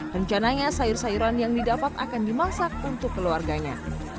rencananya sayur sayuran yang didapat akan dimasak untuk keluarganya